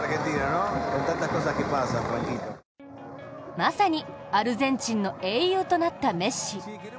まさにアルゼンチンの英雄となったメッシ。